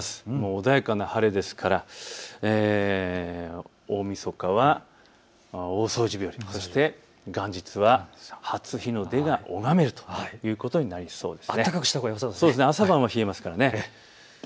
穏やかな晴れですから大みそかは大掃除日和、そして元日は初日の出が拝めるということになりそうです。